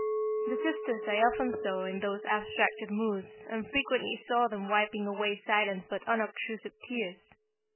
The sisters I often saw in those abstracted moods, and frequently saw them wiping away silent but unobtrusive tears.